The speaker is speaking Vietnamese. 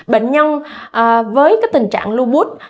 bệnh nhân với tình trạng lưu bút